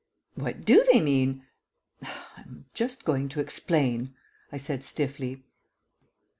"What do they mean?" "I am just going to explain," I said stiffly.